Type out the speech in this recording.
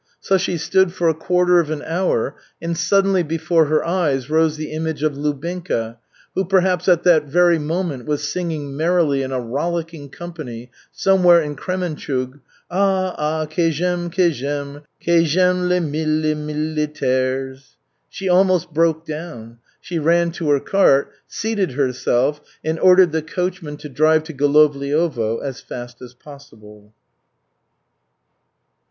So she stood for a quarter of an hour, and suddenly before her eyes rose the image of Lubinka, who perhaps at that very moment was singing merrily in a rollicking company, somewhere in Kremenchug: /$ "Ah, ah, que j'aime, que j'aime! Que j'aime, les mili mili mili taires!" $/ She almost broke down. She ran to her cart, seated herself, and ordered the coachman to drive to Golovliovo as fast as possible.